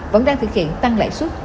vẫn đang thực hiện tăng lãi suất